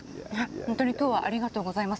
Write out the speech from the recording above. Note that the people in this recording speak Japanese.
本当にきょうはありがとうございます。